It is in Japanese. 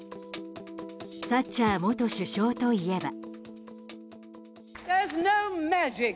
サッチャー元首相といえば。